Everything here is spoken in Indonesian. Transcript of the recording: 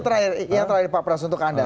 terakhir yang terakhir pak pras untuk anda